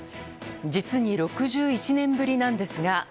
実に６１年ぶりなんですが。